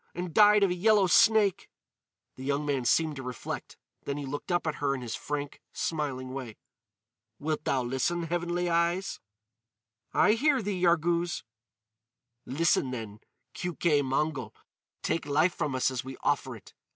And died of a yellow snake." The young man seemed to reflect. Then he looked up at her in his frank, smiling way. "Wilt thou listen, Heavenly Eyes?" "I hear thee, Yarghouz." "Listen then, Keuke Mongol. Take life from us as we offer it.